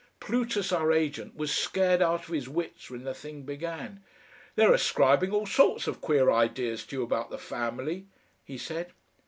Plutus, our agent, was scared out of his wits when the thing began. "They're ascribing all sorts of queer ideas to you about the Family," he said.